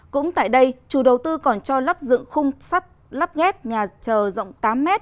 cũng tại đây chủ đầu tư còn cho lắp dựng khung sắt lắp ghép nhà trờ rộng tám m